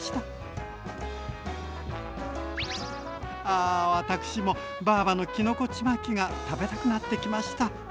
あ私もばぁばのきのこちまきが食べたくなってきました。